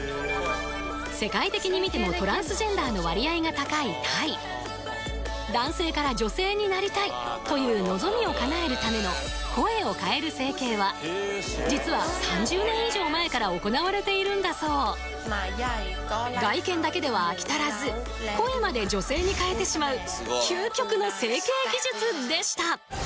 世界的に見てもトランスジェンダーの割合が高いタイ男性から女性になりたいという望みをかなえるための声を変える整形は実は３０年以上前から行われているんだそう外見だけでは飽き足らず声まで女性に変えてしまう究極の整形技術でした！